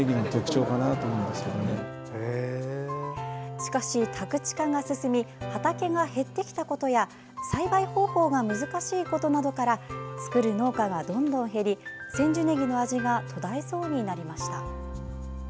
しかし、宅地化が進み畑が減ってきたことや栽培方法が難しいことなどから作る農家がどんどん減り千住ねぎの味が途絶えそうになりました。